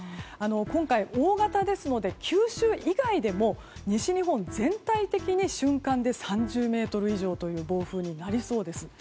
今回、大型ですので九州以外でも西日本、全体的に瞬間で３０メートル以上という暴風になりそうです。